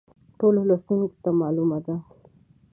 ټولو لوستونکو ته معلومه ده.